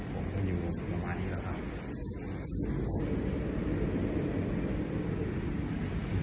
ประมาณนี้แหละครับ